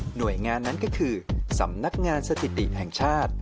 หน่วยงานนั้นก็คือสำนักงานสถิติแห่งชาติ